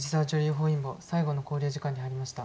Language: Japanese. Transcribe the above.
本因坊最後の考慮時間に入りました。